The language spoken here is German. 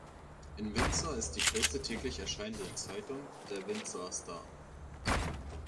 In Windsor ist die größte täglich erscheinende Zeitung der Windsor Star.